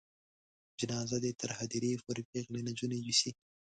جنازه دې یې تر هدیرې پورې پیغلې نجونې یوسي.